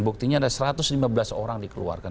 buktinya ada satu ratus lima belas orang dikeluarkan